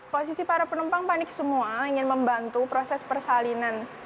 posisi para penumpang panik semua ingin membantu proses persalinan